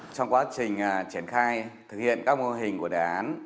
trong quá trình triển khai thực hiện các mô hình của đề án